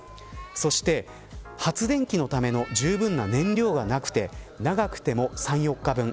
そして、発電機のためのじゅうぶんな燃料がなくて長くても３、４日分。